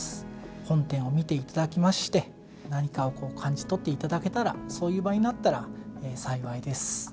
本展を見ていただきまして何かを感じ取っていただけたらそういう場になったら幸いです。